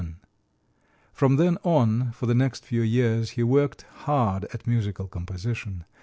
From then on, for the next few years, he worked hard at musical composition.